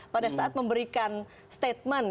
pada saat memberikan statement